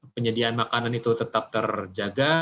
penyediaan makanan itu tetap terjaga